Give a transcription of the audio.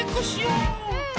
うん！